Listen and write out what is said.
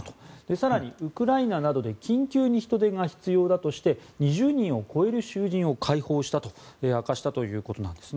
更に、ウクライナなどで緊急に人手が必要だとして２０人を超える囚人を解放したと明かしたということです。